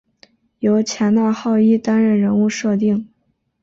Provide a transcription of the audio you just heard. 由前纳浩一担任人物设定。